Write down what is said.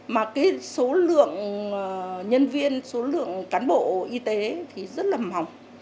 mà cái số lượng nhân viên số lượng cán bộ y tế thì rất là mỏng